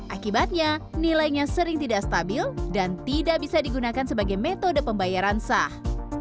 akibatnya nilainya sering tidak stabil dan tidak bisa digunakan sebagai metode pembayaran sah